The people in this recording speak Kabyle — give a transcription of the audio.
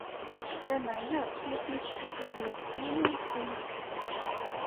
Lameɛna, nutni sqizziben-as s yimi-nsen.